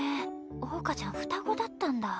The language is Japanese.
桜花ちゃん双子だったんだ。